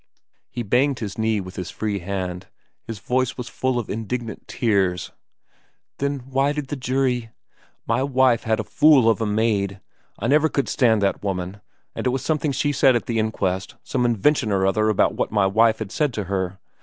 He banged his knee with his free hand. His voice was full of indignant tears. ' Then why did the jury '' My wife had a fool of a maid I never could stand that woman and it was something she said at the inquest, some invention or other about what my wife had said to her.